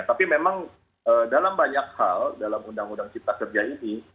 tapi memang dalam banyak hal dalam undang undang cipta kerja ini